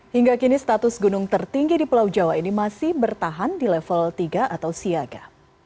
hingga kini status gunung tertinggi di pulau jawa ini masih bertahan di level tiga atau siaga